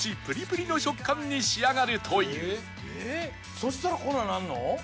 そしたらこんなになんの？